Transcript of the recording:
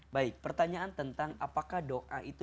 baik pertanyaan tentang apakah doa itu